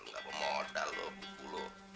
gak apa apa modal lu buku lu